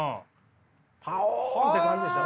パオンって感じですよ。